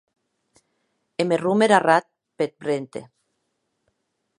E me rome er arrat peth vrente.